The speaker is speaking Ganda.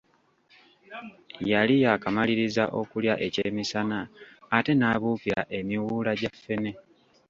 Yali yaakamaliriza okulya ekyemisana ate n’abuukira emiwuula gya ffene.